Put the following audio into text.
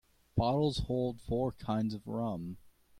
Bottles hold four kinds of rum.